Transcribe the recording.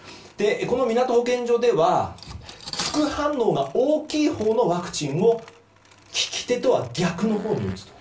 みなと保健所では副反応が大きいほうのワクチンを利き手とは逆のほうに打つと。